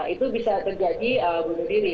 itu bisa terjadi bunuh diri